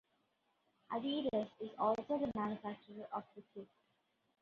Adidas is also the manufacturer of the kit.